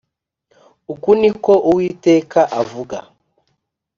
Uku ni ko Uwiteka avuga